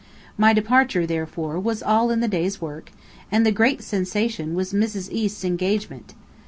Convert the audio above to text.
My departure, therefore, was all in the day's work: and the great sensation was Mrs. East's engagement.